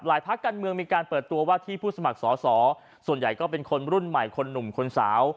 พักการเมืองมีการเปิดตัวว่าที่ผู้สมัครสอสอส่วนใหญ่ก็เป็นคนรุ่นใหม่คนหนุ่มคนสาว